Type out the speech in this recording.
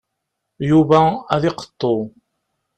Yuba ad iqeṭṭu.